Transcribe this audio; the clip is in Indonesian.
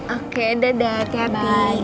oke dadah hati hati